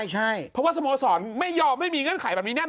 ใช่เพราะว่าสโมสรไม่ยอมให้มีเงื่อนไขแบบนี้แน่นอ